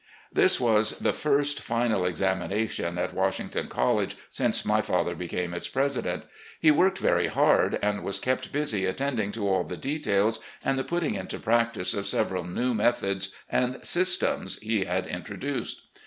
This was the first final examination at Washington Col lege since my father became its president. He worked very hard, and was kept busy attending to all the details and the putting into practice of several new methods and systems he had introduced.